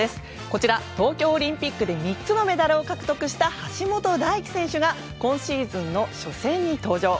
こちら、東京オリンピックで３つのメダルを獲得した橋本大輝選手が今シーズンの主戦に登場。